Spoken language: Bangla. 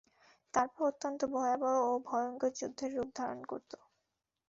তারপর অত্যন্ত ভয়াবহ ও ভয়ংকর যুদ্ধের রূপ ধারণ করত।